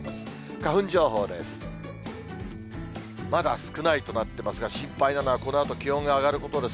花粉情報です。